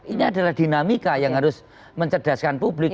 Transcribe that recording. ini adalah dinamika yang harus mencerdaskan publik